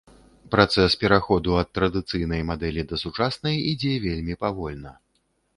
Працэс пераходу ад традыцыйнай мадэлі да сучаснай ідзе вельмі павольна.